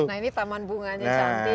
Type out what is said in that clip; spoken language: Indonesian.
nah ini taman bunganya cantik